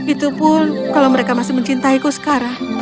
itupun kalau mereka masih mencintaiku sekarang